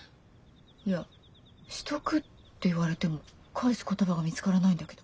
いや「しとく？」って言われても返す言葉が見つからないんだけど。